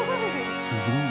すごい。